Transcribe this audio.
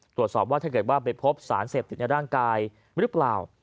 ตรวจสอบว่าถ้าเกิดว่าไปพบสารเสพติดในร่างกายหรือเปล่า